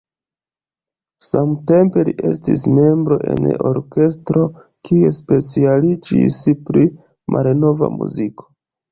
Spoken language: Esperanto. Samtempe li estis membro en orkestro, kiu specialiĝis pri la malnova muziko.